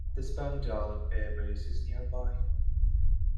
The Spangdahlem Air Base is nearby.